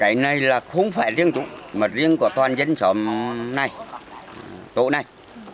cái này là không phải riêng chúng mà riêng của toàn dân sống này tổ này